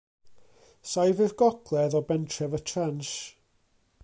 Saif i'r gogledd o bentref Y Transh.